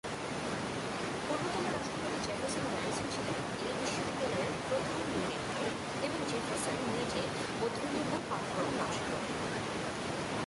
পূর্বতন রাষ্ট্রপতি জেফারসন ও ম্যাডিসন ছিলেন এই বিশ্ববিদ্যালয়ের প্রথম দুই রেক্টর, এবং জেফারসন নিজে অধ্যয়নের মূল পাঠক্রম নকশা করেন।